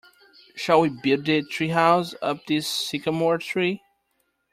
Shall we build the treehouse up this sycamore tree?